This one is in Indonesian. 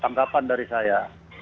tanggapan dari saya